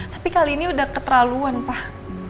tapi kali ini udah keterlaluan pak